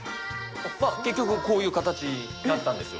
結局、こういう形になったんですよ。